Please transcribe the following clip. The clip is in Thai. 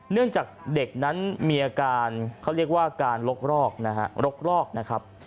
เนื่องจากเด็กนั้นมีอาการเขาเรียกว่าอาการรกลอกนะครับ